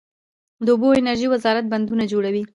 د اوبو او انرژۍ وزارت بندونه جوړوي